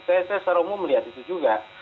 saya secara umum melihat itu juga